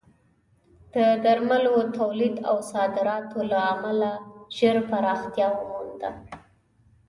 د درملو تولید او صادراتو له امله ژر پراختیا ومونده.